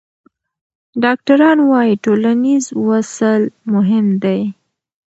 ډاکټران وايي ټولنیز وصل مهم دی.